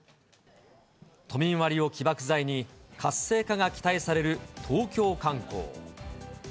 都民割を起爆剤に、活性化が期待される東京観光。